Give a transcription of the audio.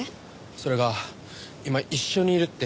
それが今一緒にいるって。